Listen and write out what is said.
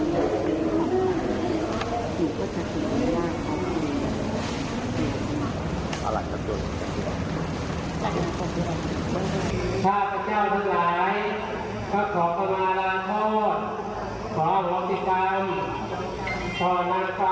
ชาติพระเจ้าทุกหลายข้าขอบตรวาลาโทษขอบรองศิกรรมขอรักษาวิทยาลักษณ์